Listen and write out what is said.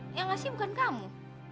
yang ngasih bukan kamu